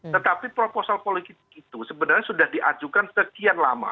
tetapi proposal politik itu sebenarnya sudah diajukan sekian lama